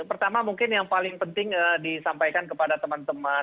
pertama mungkin yang paling penting disampaikan kepada teman teman